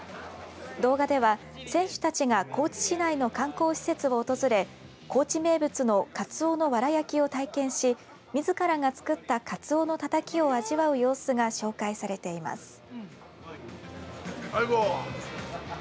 動画では、選手たちが高知市内の観光施設を訪れ高知名物のカツオのわら焼きを体験しみずからが作ったカツオのたたきを味わう様子が紹介されています。